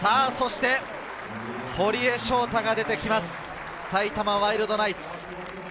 そして堀江翔太が出てきます、埼玉ワイルドナイツ。